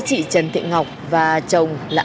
chị trần thị ngọc và chồng là